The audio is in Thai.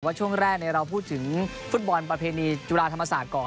ช่วงแรกเราพูดถึงฟุตบอลประเพณีจุฬาธรรมศาสตร์ก่อน